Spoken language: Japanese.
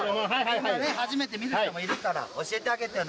みんなね初めて見る人もいるから教えてあげてよ